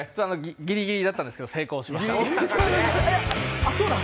「ギリギリ」だったんですけど成功しました。